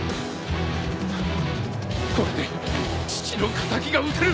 これで父の敵が討てる！